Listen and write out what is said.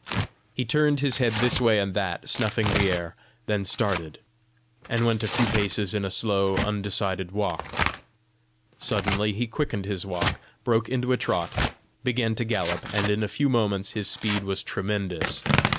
He turned his head this way and that, snuffing the air; then started, and went a few paces in a slow, undecided walk. Suddenly he quickened his walk; broke into a trot; began to gallop, and in a few moments his speed was tremendous.